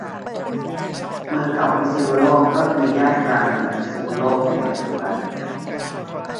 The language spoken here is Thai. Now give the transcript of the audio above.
เมืองเก่าพิษณุโลกก็คือย่านกลางเมืองพิษณุโลกในปัจจุบัน